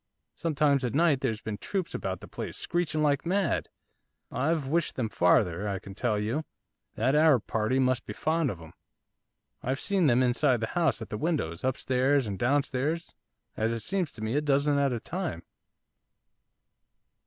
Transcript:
Sometimes at night there's been troops about the place, screeching like mad, I've wished them farther, I can tell you. That Arab party must be fond of 'em. I've seen them inside the house, at the windows, upstairs and downstairs, as it seemed to me, a dozen at a time.